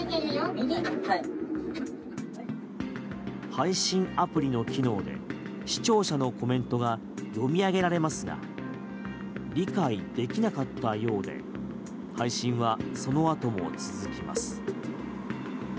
配信アプリの機能で視聴者のコメントが読み上げられますが理解できなかったようで配信はそのあとも続きます。